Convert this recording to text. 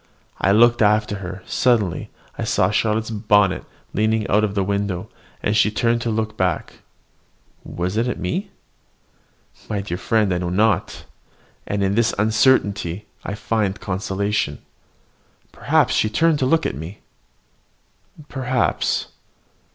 I looked after her: suddenly I saw Charlotte's bonnet leaning out of the window, and she turned to look back, was it at me? My dear friend, I know not; and in this uncertainty I find consolation. Perhaps she turned to look at me. Perhaps!